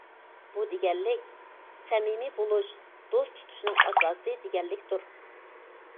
بۇ دېگەنلىك، سەمىمىي بولۇش دوست تۇتۇشنىڭ ئاساسى دېگەنلىكتۇر.